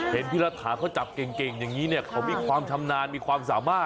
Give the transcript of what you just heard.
เห็นพี่รัฐาเขาจับเก่งอย่างนี้เนี่ยเขามีความชำนาญมีความสามารถ